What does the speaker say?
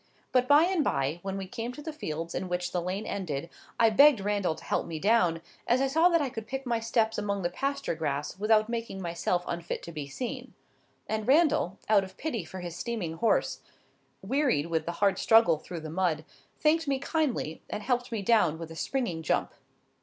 But by and by, when we came to the fields in which the lane ended, I begged Randal to help me down, as I saw that I could pick my steps among the pasture grass without making myself unfit to be seen; and Randal, out of pity for his steaming horse, wearied with the hard struggle through the mud, thanked me kindly, and helped me down with a springing jump.